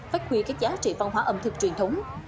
phát huy các giá trị văn hóa ẩm thực truyền thống